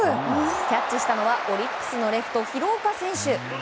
キャッチしたのはオリックスのレフト、廣岡選手。